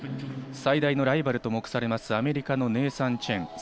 最大のライバルと目されるアメリカのネイサン・チェン。